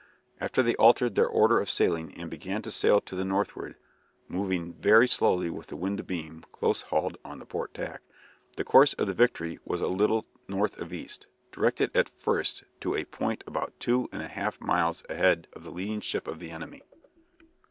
After they altered their order of sailing and began to sail to the northward, moving very slowly with the wind abeam (close hauled on the port tack), the course of the "Victory" was a little north of east, directed at first to a point about two and a half miles ahead of the leading ship of the enemy.